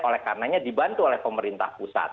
oleh karenanya dibantu oleh pemerintah pusat